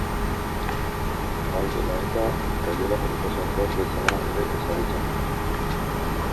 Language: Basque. Hau dela eta, kaiola konposatuak bezala ere ezagutzen dira.